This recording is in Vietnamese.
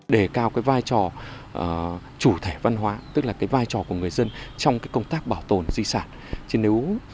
để cao cái vai trò chủ thể văn hóa tức là cái vai trò của người dân trong cái công tác bảo tồn di sản